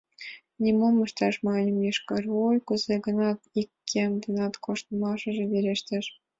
«Нимом ышташ, — манын йошкарвуй, — кузе-гынат ик кем денак кошташыже верештеш».